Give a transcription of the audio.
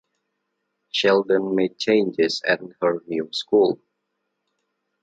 Sheldon made changes at her new school.